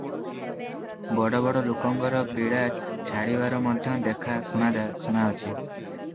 ବଡ଼ ବଡ଼ ଲୋକଙ୍କର ପୀଡ଼ା ଛାଡ଼ିବାର ମଧ୍ୟ ଦେଖା ଶୁଣାଅଛି ।